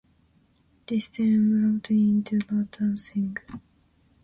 This then evolved into lap dancing.